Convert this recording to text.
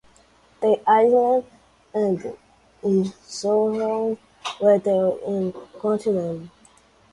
The island and surrounding water is Crown land.